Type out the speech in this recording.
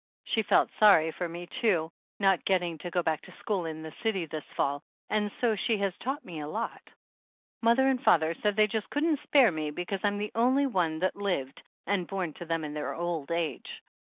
She felt sorry for me, too, not getting to go back to school in the city this fall, and so she has taught me a lot. Mother and father said they just couldn't spare me, be ing the only one that lived, and born to them in their old age.